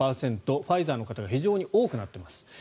ファイザーの方が非常に多くなっています。